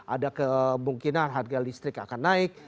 ada kemungkinan harga listrik akan naik